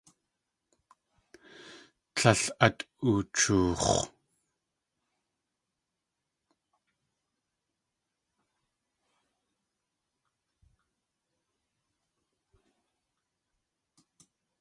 Tlél at uchoox̲.